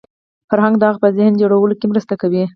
فرهنګ د هغه په ذهن جوړولو کې مرسته کوي